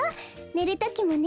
ねるときもね。